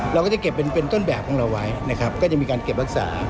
เราก็จะเก็บเป็นต้นแบบของเราไว้นะครับก็จะมีการเก็บรักษา